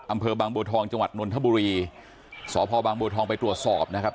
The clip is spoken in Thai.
อำเภอบางบัวทองจังหวัดนนทบุรีสพบางบัวทองไปตรวจสอบนะครับ